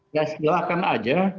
ya silahkan aja